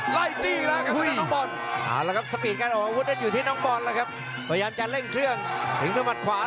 สายหน้าครับพยายามจะแม่วัยเพียงเท่า๑๗